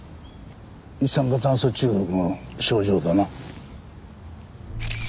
一酸化炭素中毒の症状だな。